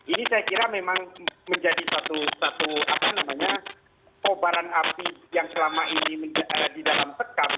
ini saya kira memang menjadi satu obaran api yang selama ini ada di dalam tekam